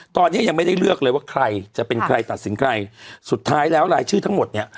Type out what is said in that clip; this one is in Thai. ตอนนี้ยังไม่ได้เลือกเลยว่าใครจะเป็นใครตัดสินใครสุดท้ายแล้วรายชื่อทั้งหมดเนี่ย